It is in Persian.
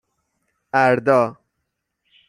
اَردا